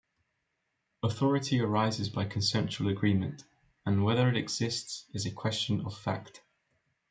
Authority arises by consensual agreement, and whether it exists is a question of fact.